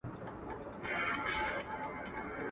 د شاه شجاع د قتلېدلو وطن.